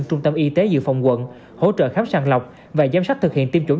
trung tâm y tế dự phòng quận hỗ trợ khám sàng lọc và giám sát thực hiện tiêm chủng